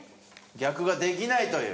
逆ができないという。